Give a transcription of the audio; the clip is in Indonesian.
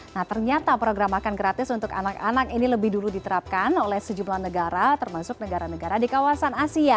nah ternyata program makan gratis untuk anak anak ini lebih dulu diterapkan oleh sejumlah negara termasuk negara negara di kawasan asia